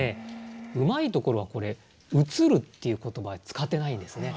うまいところはこれ「映る」っていう言葉は使ってないんですね。